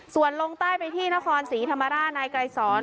ส่วนลงใต้ไปที่นครศรีธรรมราชนายไกรสอน